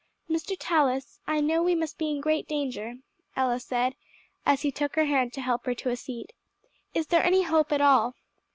"Mr. Tallis, I know we must be in great danger," Ella said, as he took her hand to help her to a seat. "Is there any hope at all?"